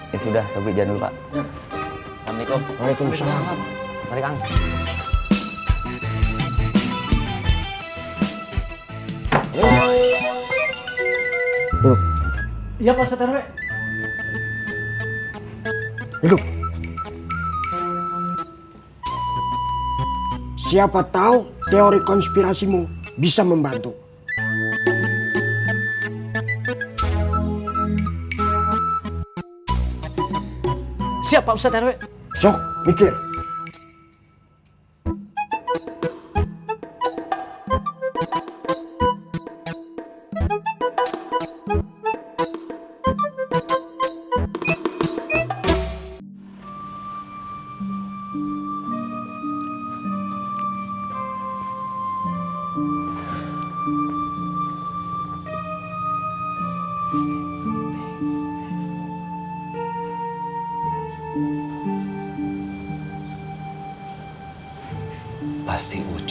ya sudah sepik jangan lupa pak